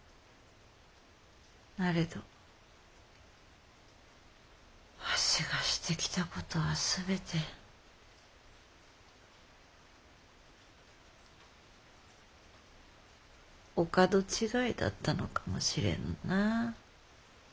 なれどわしがしてきたことは全てお門違いだったのかもしれぬな。